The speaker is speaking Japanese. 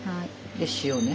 で塩ね。